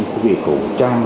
của quốc trang